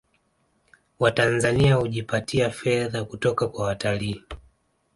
Watanzania hujipatia fedha kutoka kwa watalii